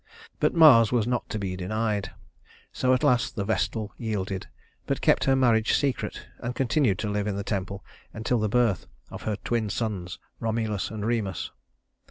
But Mars was not to be denied; so at last the vestal yielded, but kept her marriage secret and continued to live in the temple until the birth of her twin sons Romulus and Remus.